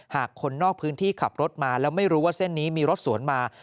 คนนอกพื้นที่ขับรถมาแล้วไม่รู้ว่าเส้นนี้มีรถสวนมา